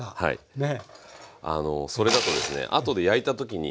ねえ。